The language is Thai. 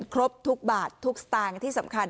ครบทุกบาททุกสตางค์ที่สำคัญ